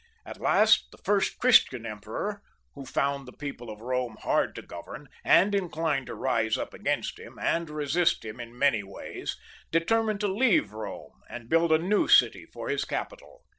At last the first Christian emperor, who found the people of Bome hard to govern, and inclined to rise up against him. and resist him in many ways, determined to leave Bome and build a new city for his capital.